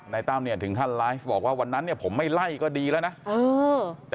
นายตั้มเนี่ยถึงท่านไลฟ์บอกวันนั้นเนี่ยผมไม่ไล่ก็ดีแล้วนะ